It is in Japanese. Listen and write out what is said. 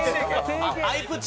アイプチ？